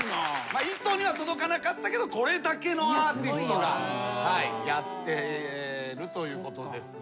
『糸』には届かなかったけどこれだけのアーティストがやってるということですね。